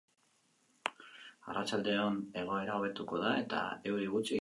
Arratsaldean egoera hobetuko da eta euri gutxi egingo du.